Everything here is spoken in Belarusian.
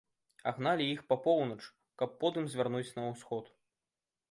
А гналі іх па поўнач, каб потым завярнуць на ўсход.